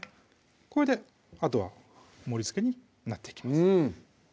これであとは盛りつけになっていきます